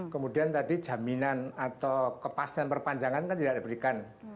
kemudian tadi jaminan atau kepastian perpanjangan kan tidak diberikan